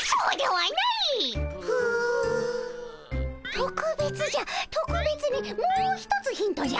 とくべつじゃとくべつにもう一つヒントじゃ。